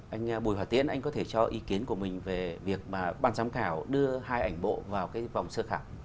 anh bùi hòa tiến anh có thể cho ý kiến của mình về việc mà ban giám khảo đưa hai ảnh bộ vào cái vòng sơ khảo